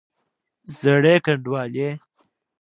زړې ګنډوالې!